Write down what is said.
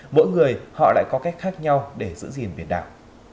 mỗi người họ lại có cách khác nhau để giữ gìn biển đảo